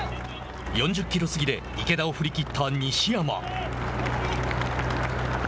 ４０キロ過ぎで池田を振り切った西山。